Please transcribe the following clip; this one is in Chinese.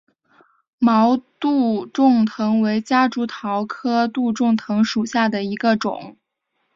毛杜仲藤为夹竹桃科杜仲藤属下的一个种。